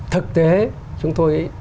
thực tế chúng tôi